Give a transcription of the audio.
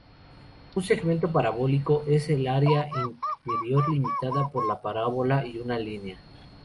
Un segmento parabólico es el área interior limitada por la parábola y una línea.